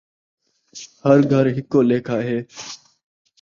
ہر گھر ہکو لیکھا ہے